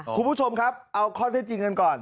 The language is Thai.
คุณผู้ชมครับเอาข้อเท็จจริงกันก่อน